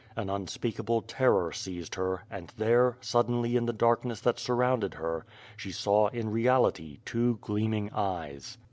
An unspeakable terror seized her and, there, suddenly in the darkness that surrounded her, she saw, in reality, two gleam ing eyes.